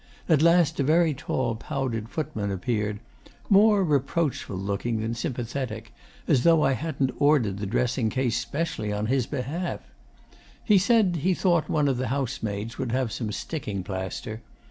At last a very tall powdered footman appeared more reproachful looking than sympathetic, as though I hadn't ordered that dressing case specially on his behalf. He said he thought one of the housemaids would have some sticking plaster.